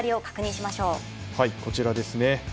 こちらですね。